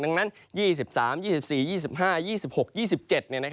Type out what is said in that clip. ดังนั้น